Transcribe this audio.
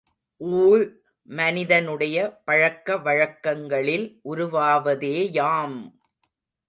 ஊழ் மனிதனுடைய பழக்க வழக்கங்களில் உருவாவதேயாம்!